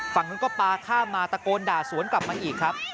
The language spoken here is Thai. ฝั่งนู้นก็ปลาข้ามมาตะโกนด่าสวนกลับมาอีกครับ